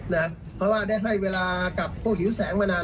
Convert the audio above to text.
งานนี้คุณแม่เอาแน่